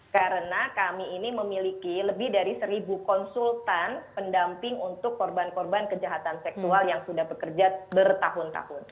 karena kami ini memiliki lebih dari seribu konsultan pendamping untuk korban korban kejahatan seksual yang sudah bekerja bertahun tahun